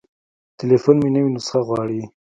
تليفون مې نوې نسخه غواړي.